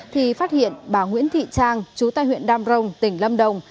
thì phát hiện bà nguyễn thị trang chú tại huyện đam rồng tỉnh lâm đồng